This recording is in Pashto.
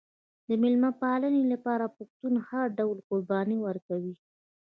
د میلمه پالنې لپاره پښتون هر ډول قرباني ورکوي.